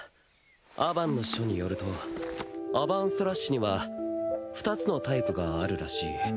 アバンの書によるとアバンストラッシュには２つのタイプがあるらしい。